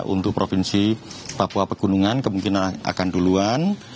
untuk provinsi papua pegunungan kemungkinan akan duluan